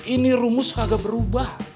ini rumus kagak berubah